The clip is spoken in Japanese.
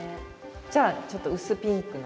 じゃあちょっと薄ピンクの。